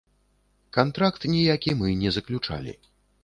Кантракт ніякі мы не заключалі.